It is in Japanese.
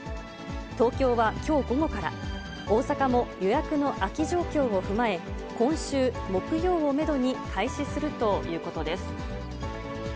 東京はきょう午後から、大阪も予約の空き状況を踏まえ、今週木曜をメドに開始するということです。